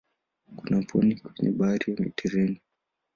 Kuna pwani kwenye bahari ya Mediteranea.